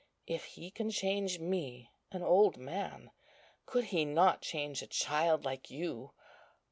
If He can change me, an old man, could He not change a child like you?